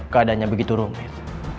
keadanya begitu rumit